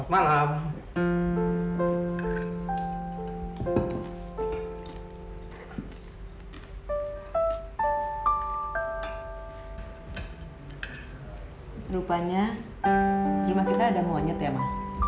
rupanya rumah kita ada monyet ya ma